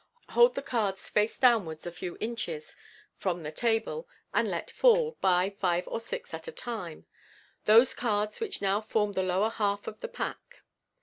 Hold the cards face downwards a few inches from the table, and let fall, by five or six at a time, those cards which now form the lower half of the pack.